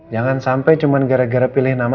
jangan sampai cuma gara gara pilih nama